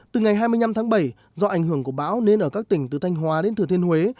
từ ngày hai mươi năm tháng bảy do ảnh hưởng của bão nên ở các tỉnh từ thanh hóa đến thừa thiên huế